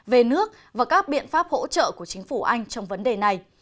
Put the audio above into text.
về nước và các biện pháp hỗ trợ của chính phủ anh trong vấn đề này